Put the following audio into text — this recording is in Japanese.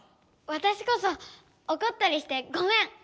わたしこそおこったりしてごめん！